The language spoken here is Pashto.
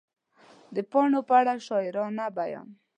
د پاڼو په اړه شاعرانه بیان